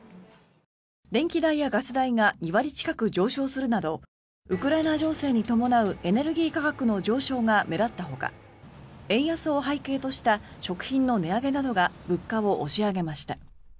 電気代やガス代が２割近く上昇するなどウクライナ情勢に伴うエネルギー価格の上昇が目立ったほか円安を背景とした食品の値上げなどが物価を押し上げました。